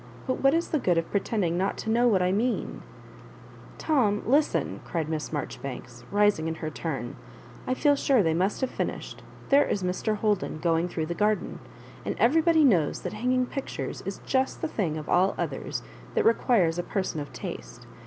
But what is the good of pretend ing not to know what I mean ?"" Tom, listen I" cried Miss Marjoribanks, rising in her turn ;" I feel sure they must have finished. There is Mr. Holden going through the garden. And everybody knows that hanging pictores is just the thing of all others that requires a per son of taste.